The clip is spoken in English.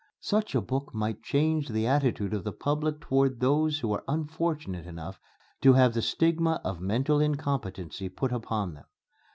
Such a book might change the attitude of the public towards those who are unfortunate enough to have the stigma of mental incompetency put upon them.